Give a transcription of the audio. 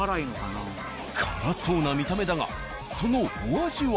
辛そうな見た目だがそのお味は？